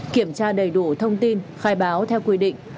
kiểm tra đầy đủ thông tin khai báo theo quy định